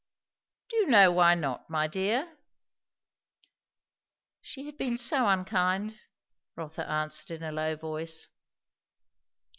"Do you know why not, my dear?" "She had been so unkind " Rotha answered in a low voice.